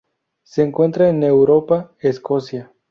Se encuentra en Europa: Escocia.